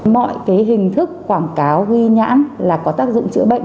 mọi cái hình thức quảng cáo ghi nhãn là có tác dụng chữa bệnh